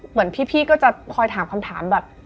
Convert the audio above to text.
เหมือนพี่ก็จะคอยถามคำถามแบบ